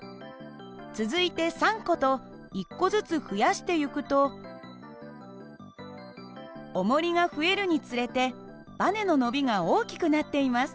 続いて３個と１個ずつ増やしてゆくとおもりが増えるにつれてばねの伸びが大きくなっています。